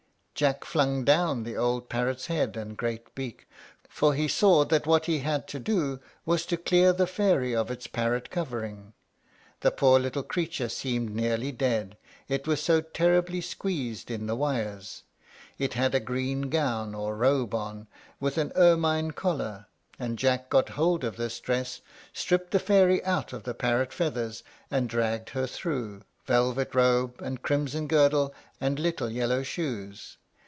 Jack flung down the old parrot's head and great beak, for he saw that what he had to do was to clear the fairy of its parrot covering. The poor little creature seemed nearly dead, it was so terribly squeezed in the wires. It had a green gown or robe on, with an ermine collar; and Jack got hold of this dress, stripped the fairy out of the parrot feathers, and dragged her through, velvet robe, and crimson girdle, and little yellow shoes.